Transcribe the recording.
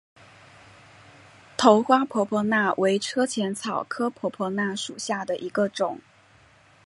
头花婆婆纳为车前草科婆婆纳属下的一个种。